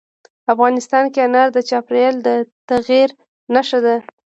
افغانستان کې انار د چاپېریال د تغیر نښه ده.